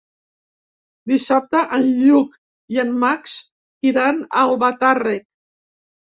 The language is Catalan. Dissabte en Lluc i en Max iran a Albatàrrec.